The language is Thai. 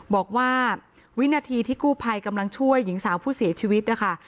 บอกว่าวินาทีที่กู้ภัยกำลังช่วยหญิงสาวผู้เสียชีวิตนะคะ